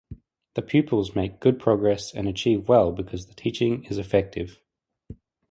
The pupils make good progress and achieve well because the teaching is effective.